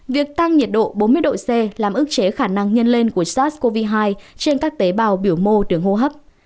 việc tăng nhiệt độ bốn mươi độ c làm ước chế khả năng nhân lên của sars cov hai trên các tế bào biểu mô đường hô hấp